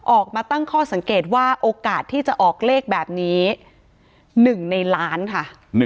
ออกมาตั้งข้อสังเกตว่าโอกาสที่จะออกเลขแบบนี้๑ในล้านค่ะ